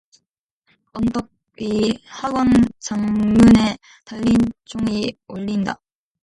언덕 위 학원 정문에 달린 종이 울린다.